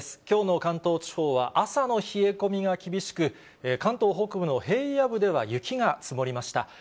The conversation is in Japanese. きょうの関東地方は、朝の冷え込みが厳しく、関東北部の平野部では雪が積もりました。